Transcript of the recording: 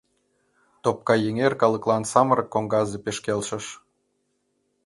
Топкайэҥер калыклан самырык коҥгазе пеш келшыш.